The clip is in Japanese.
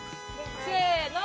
せの！